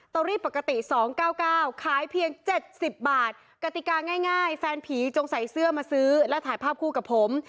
อรี่ปกติ๒๙๙ขายเพียง๗๐บาทกติกาง่ายแฟนผีจงใส่เสื้อมาซื้อและถ่ายภาพคู่กับผม